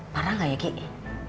parah gak ya gigi